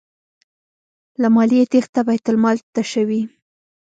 له مالیې تیښته بیت المال تشوي.